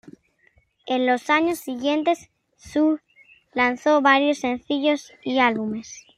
En los años siguientes Hsu lanzó varios sencillos y álbumes.